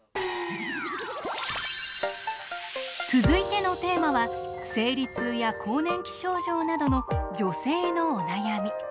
続いてのテーマは生理痛や更年期症状などの女性のお悩み。